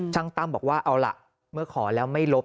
ตั้มบอกว่าเอาล่ะเมื่อขอแล้วไม่ลบ